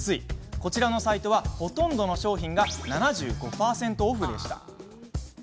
こちらのサイトは、ほとんどの商品が７５％オフでした。